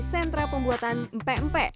sentra pembuatan mpempe